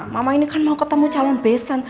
mama ini kan mau ketemu calon besan